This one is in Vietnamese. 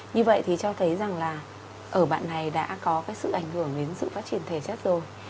như vậy thì cho thấy rằng là ở bạn này đã có cái sự ảnh hưởng đến sự phát triển thể chất rồi